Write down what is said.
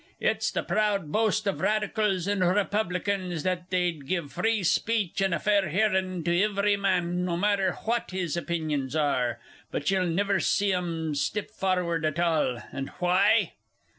It's the proud boast of Radicals and Republikins that they'd give free speech and a fair hearin' to ivery man, no matter hwhat his opinions are, but ye'll niver see 'um stip farward at ahl and hwhy?